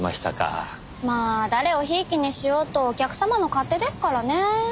まあ誰を贔屓にしようとお客様の勝手ですからね。